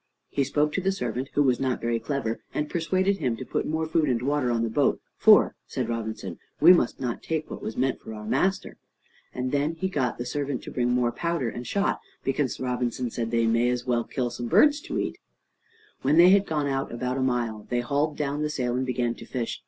He spoke to the servant, who was not very clever, and persuaded him to put more food and water on the boat, for, said Robinson, "we must not take what was meant for our master." And then he got the servant to bring some more powder and shot, because, Robinson said, they might as well kill some birds to eat. When they had gone out about a mile, they hauled down the sail and began to fish.